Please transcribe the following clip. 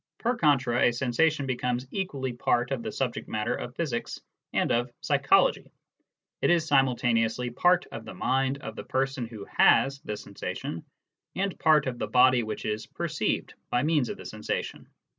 Per contra, a sensation becomes equally part of the subject matter of physics and of psychology: it is simultaneously part of the mind of the person who " has " the sensation, and part of the body which is " perceived " by means of the sensation.